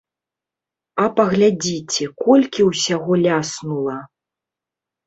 А паглядзіце, колькі ўсяго ляснула.